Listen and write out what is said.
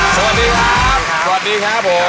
สวัสดีครับสวัสดีครับผม